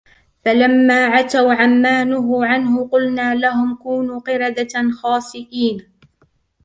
فَلَمَّا عَتَوْا عَنْ مَا نُهُوا عَنْهُ قُلْنَا لَهُمْ كُونُوا قِرَدَةً خَاسِئِينَ